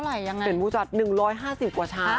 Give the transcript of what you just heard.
เกิดเกิดเป็นวุฒา๑๕๐ตัวช้า